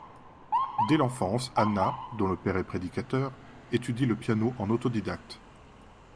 Dès l'enfance, Hanna, dont le père est prédicateur, étudie le piano en autodidacte.